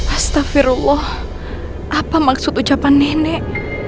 astafirullah apa maksud ucapan nenek